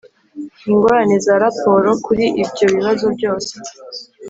ingorane za raporo kuri ibyo bibazo byose